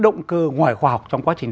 động cơ ngoài khoa học trong quá trình